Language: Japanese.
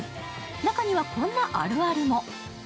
中には、こんなあるあるも。